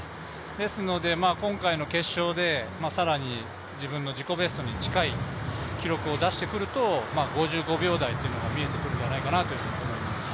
ですので、今回の決勝で更に自分の自己ベストに近い記録出してくると、５５秒台というのも見えてくるんじゃないかなと思ってます。